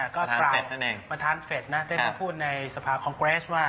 ก็ตราดประธานเฟสนะได้มาพูดในสภาคองเกรสว่า